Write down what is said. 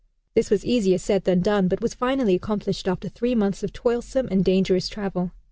This was easier said than done, but was finally accomplished after three months of toilsome and dangerous travel.